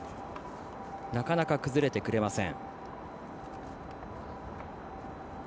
なかなか崩れてくれません。